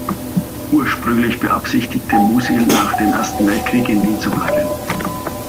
Ursprünglich beabsichtigte Musil nach dem Ersten Weltkrieg in Wien zu bleiben.